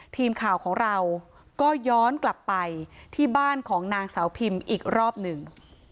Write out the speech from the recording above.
ทีมข่าวของเราก็ย้อนกลับไปที่บ้านของนางสาวพิมอีกรอบหนึ่ง